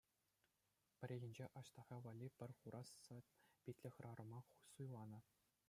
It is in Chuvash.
Пӗррехинче Аҫтаха валли пӗр хура сӑн-питлӗ хӗрарӑма суйланӑ.